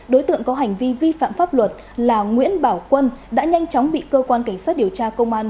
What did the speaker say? đối tượng có hành vi vi phạm pháp luật là nguyễn bảo quân đã nhanh chóng bị cơ quan cảnh sát điều tra công an